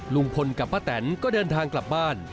ลุงพลกับป้าแตนก็เดินทางกลับบ้าน